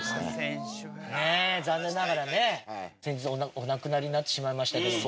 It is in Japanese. ねえ残念ながらね先日お亡くなりになってしまいましたけども。